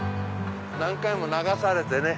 何回も流されてね